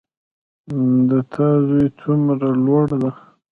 د تا زوی څومره لوړ ده